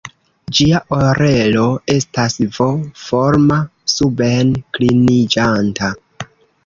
Ĝia orelo estas V-forma, suben-kliniĝanta.